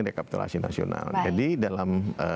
rekapitulasi nasional jadi dalam